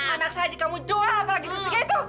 anak saya jika kamu jual apa lagi duit segitu